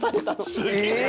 すげえな。